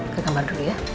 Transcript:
ke kamar dulu ya